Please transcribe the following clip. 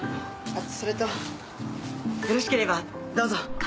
それとよろしければどうぞ。